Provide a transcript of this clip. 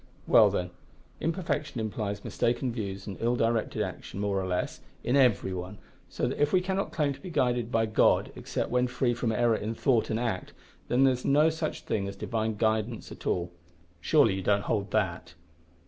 "Well, then, imperfection implies mistaken views and ill directed action, more or less, in every one, so that if we cannot claim to be guided by God except when free from error in thought and act, then there is no such thing as Divine guidance at all. Surely you don't hold that!"